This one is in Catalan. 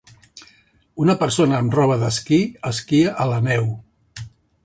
Una persona amb roba d'esquí esquia a la neu.